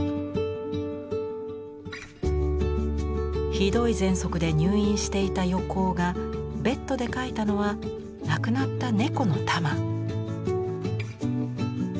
ひどい喘息で入院していた横尾がベッドで描いたのは亡くなった猫のタマ。